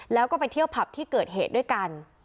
แล้วก็ไปเที่ยวผับที่เกิดเหตุด้วยกัน